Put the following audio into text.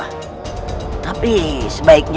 aku akan menemukanmu